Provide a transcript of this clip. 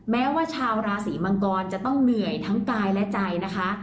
แม้ว่าชาวราศีมังกรจะต้องเหนื่อยทั้งกายและใจนะคะ